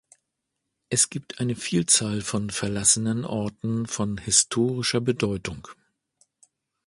Es gibt eine Vielzahl von verlassenen Orten von historischer Bedeutung.